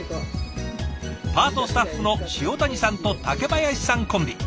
パートスタッフの塩谷さんと竹林さんコンビ。